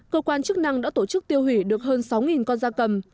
cơ quan chức năng đã tổ chức tiêu hủy được hơn sáu con da cầm